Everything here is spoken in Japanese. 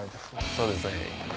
そうですね。